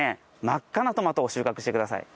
真っ赤なトマトを収穫してください。